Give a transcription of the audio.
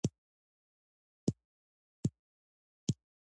د نوشیروان د ودانۍ یوه برخه ولې کږه جوړه شوې وه.